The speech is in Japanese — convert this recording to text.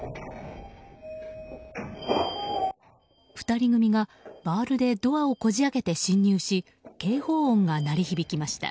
２人組がバールでドアをこじ開けて侵入し警報音が鳴り響きました。